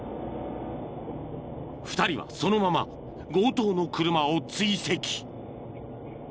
［２人はそのまま強盗の車を追跡］